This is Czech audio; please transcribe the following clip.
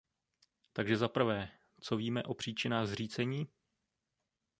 Takže za prvé, co víme o příčinách zřícení?